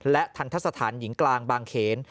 และทันทะสถานหญิงกลางบางเขน